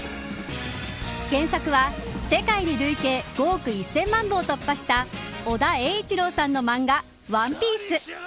原作は、世界で累計５億１０００万部を突破した尾田栄一郎さんの漫画ＯＮＥＰＩＥＣＥ。